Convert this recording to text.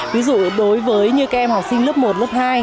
ví dụ đối với như các em học sinh lớp một lớp hai